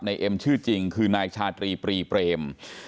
เอ็มชื่อจริงคือนายชาตรีปรีเปรม